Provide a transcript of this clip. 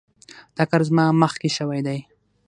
دا کار زما مخکې شوی دی.